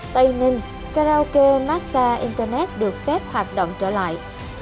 tây ninh karaoke massage internet được phép hoạt động trở lại